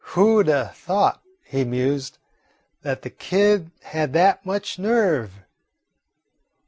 "Who 'd 'a' thought," he mused, "that the kid had that much nerve?